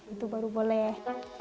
itu baru boleh